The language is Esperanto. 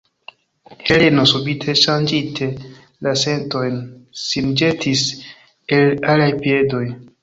Heleno, subite ŝanĝinte la sentojn, sin ĵetis al liaj piedoj.